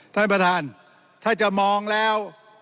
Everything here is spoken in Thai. ท่านประธานถ้าจะมองแล้ว